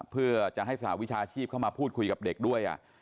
เพื่อจะให้สหวิชาชีพเข้ามาพูดคุยกับเด็กด้วย